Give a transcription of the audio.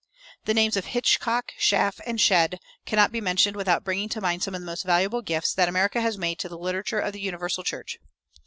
The names of Hitchcock, Schaff, and Shedd cannot be mentioned without bringing to mind some of the most valuable gifts that America has made to the literature of the universal church.